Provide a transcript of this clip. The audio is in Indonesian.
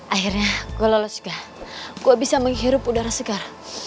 akhirnya gue lulus juga gue bisa menghirup udara segar